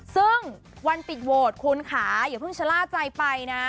ซึ่งวันปิดโหวตคุณค่ะเดี๋ยวพึ่งฉันล่าใจไปนะ